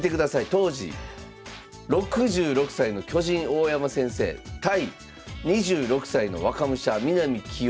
当時６６歳の巨人大山先生対２６歳の若武者南棋王戦いました。